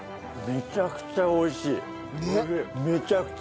めちゃくちゃ美味しい。